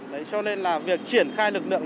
đấy cho nên là việc triển khai lực lượng